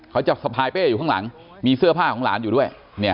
สะพายเป้อยู่ข้างหลังมีเสื้อผ้าของหลานอยู่ด้วย